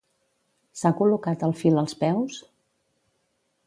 S'ha col·locat el fil als peus?